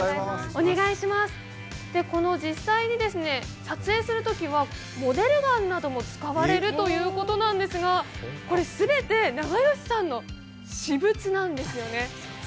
実際に撮影するときは、モデルガンなども使われるということですがこれ、全て永芳さんの私物なんですよね？